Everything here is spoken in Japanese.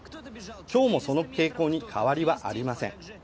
今日もその傾向に変わりはありません。